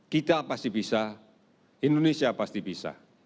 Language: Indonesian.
kita pasti bisa indonesia pasti bisa